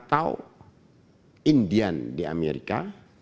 atau indian di amerika